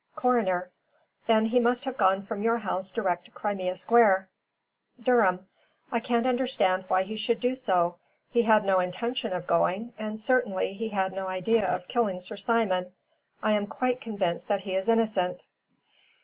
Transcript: Coroner: "Then he must have gone from your house direct to Crimea Square." Durham: "I can't understand why he should do so. He had no intention of going, and certainly he had no idea of killing Sir Simon. I am quite convinced that he is innocent."